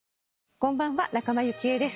こんばんは仲間由紀恵です。